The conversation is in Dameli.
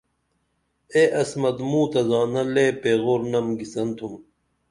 اے عصمت موں تہ زانہ لے پیغورنم گِسن تُھم